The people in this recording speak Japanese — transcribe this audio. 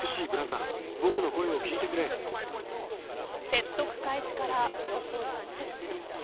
説得開始からおよそ４０分。